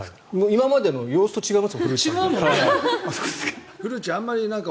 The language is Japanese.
今までの様子と違いますよ古内さん。